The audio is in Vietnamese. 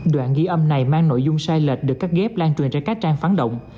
đoạn ghi âm này mang nội dung sai lệch được cắt ghép lan truyền trên các trang phán động